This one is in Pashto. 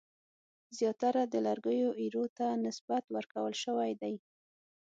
زیاتره د لرګیو ایرو ته نسبت ورکول شوی دی.